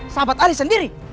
sahabat ale sendiri